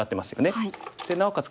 でなおかつ